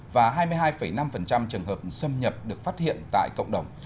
và hai mươi hai năm trường hợp xâm nhập được phát hiện tại cộng đồng